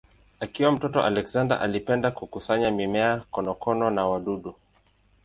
Akiwa mtoto Alexander alipenda kukusanya mimea, konokono na wadudu.